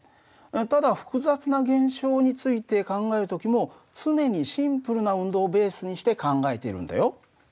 ただ複雑な現象について考える時も常にシンプルな運動をベースにして考えているんだよ。